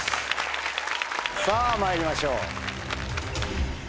さぁまいりましょう。